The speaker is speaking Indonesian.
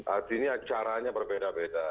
artinya caranya berbeda beda